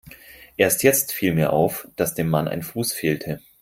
Erst jetzt viel mir auf, dass dem Mann ein Fuß fehlte.